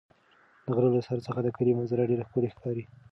د غره له سر څخه د کلي منظره ډېره ښکلې ښکاري.